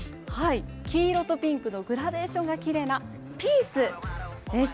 黄色とピンクのグラデーションがきれいな、ピースです。